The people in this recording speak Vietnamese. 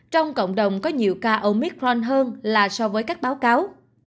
trong cộng đồng có nhiều ca omicron hơn là so với các báo cáo